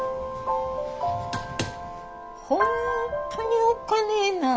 ☎本当におっかねえの。